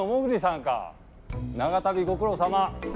長旅ご苦労さま。